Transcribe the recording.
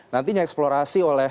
nantinya eksplorasi oleh